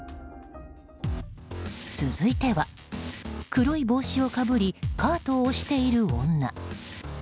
続いては、黒い帽子をかぶりカートを押している女。